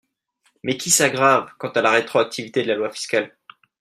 mais qui s’aggravent, quant à la rétroactivité de la loi fiscale.